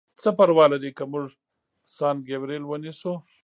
څه پروا لري که موږ سان ګبریل ونیسو؟